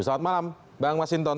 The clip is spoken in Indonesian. selamat malam bang mas hinton